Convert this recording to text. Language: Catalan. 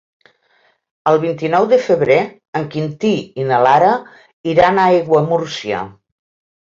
El vint-i-nou de febrer en Quintí i na Lara iran a Aiguamúrcia.